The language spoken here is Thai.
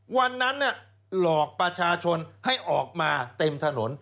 วันนั้นหลอกประชาชนให้ออกมาเต็มถนน